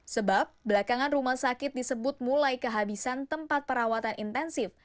sebab belakangan rumah sakit disebut mulai kehabisan tempat perawatan intensif